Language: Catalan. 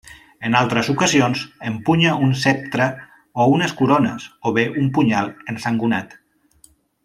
En altres ocasions empunya un ceptre o unes corones, o bé un punyal ensangonat.